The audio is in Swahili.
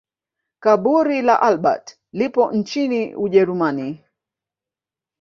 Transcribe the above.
Kaburi la Albert lipo nchini Ujerumani